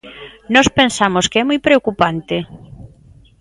Nós pensamos que é moi preocupante.